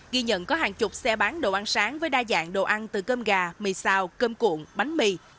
ghi nhận có hàng chục xe bán đồ ăn sáng với đa dạng đồ ăn từ cơm gà mì xào cơm cuộn bánh mì